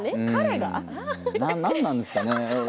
何なんですかね。